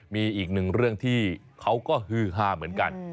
มีอีกหนึ่งเรื่องที่เขาก็ฮือฮาเหมือนกัน